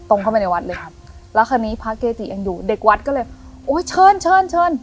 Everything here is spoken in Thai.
เข้าไปในวัดเลยครับแล้วคราวนี้พระเกติยังอยู่เด็กวัดก็เลยโอ้ยเชิญเชิญเชิญ